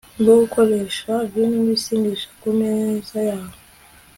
rwo gukoresha vino nibisindisha ku meza yabo